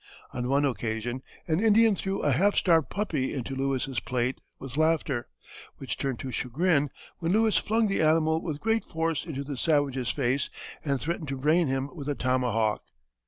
On one occasion an Indian threw a half starved puppy into Lewis's plate, with laughter, which turned to chagrin when Lewis flung the animal with great force into the savage's face and threatened to brain him with a tomahawk.